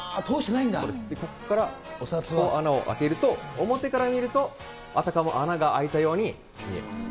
ここから穴を開けると、表から見ると、あたかも穴が開いたように見えます。